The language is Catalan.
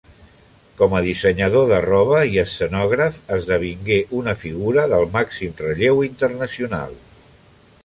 Com a dissenyador de roba i escenògraf, esdevingué una figura del màxim relleu internacional.